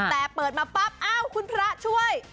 แต่เปิดมาปั๊บอ้าวคุณพระช่วย